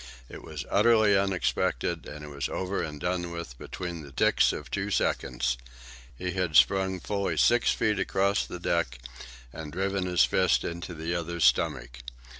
It was utterly unexpected, and it was over and done with between the ticks of two seconds. He had sprung fully six feet across the deck and driven his fist into the other's stomach.